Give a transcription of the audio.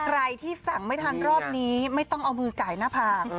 ใครที่สั่งไม่ทันรอบนี้ไม่ต้องเอามือไก่หน้าผาก